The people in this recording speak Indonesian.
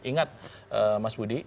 ingat mas budi